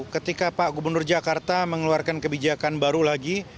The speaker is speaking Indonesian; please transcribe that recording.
ketika pak gubernur jakarta mengeluarkan kebijakan baru lagi